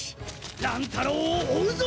乱太郎を追うぞ！